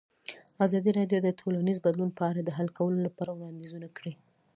ازادي راډیو د ټولنیز بدلون په اړه د حل کولو لپاره وړاندیزونه کړي.